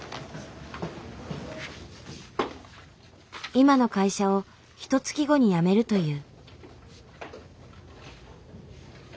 今の会社をひとつき後に辞めるという。